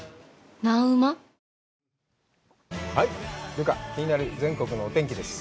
留伽、気になる全国のお天気です。